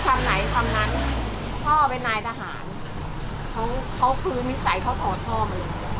พ่อเป็นนายทหารเขาเขาคือมิสัยเขาถอดท่อมาเลย